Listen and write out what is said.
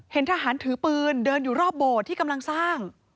ทหารถือปืนเดินอยู่รอบโบสถ์ที่กำลังสร้าง